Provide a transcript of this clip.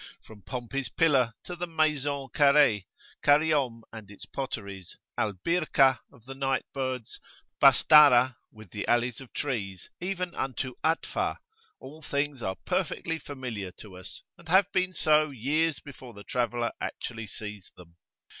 From Pompey's Pillar to the Maison Carree, Kariom and its potteries, Al Birkah[FN#1] of the night birds, Bastarah [p.30]with the alleys of trees, even unto Atfah, all things are perfectly familiar to us, and have been so years before the traveller actually sees them.